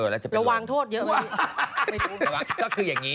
แล้ววางโทษเยอะเลย